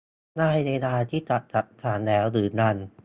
ได้เวลาที่จะสะสางแล้วหรือยัง ?